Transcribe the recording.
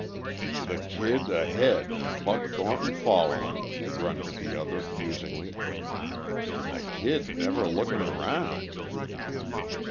"The Kid ahead an' Buck Thornton followin'!" grunted the other musingly. "An' the Kid never lookin' around!"